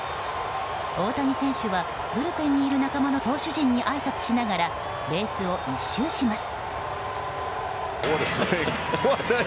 大谷選手はブルペンにいる仲間の投手陣にあいさつしながらベースを１周します。